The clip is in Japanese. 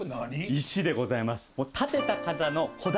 石でございます。